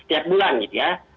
setiap bulan gitu ya